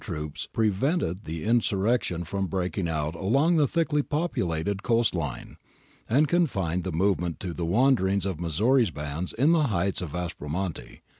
I THE RISING IN THE PROVINCES 115 prevented the insurrection from breaking out along the thickly populated coast line, and confined the movement to the wanderings of Missori's bands in the heights of Aspromonte.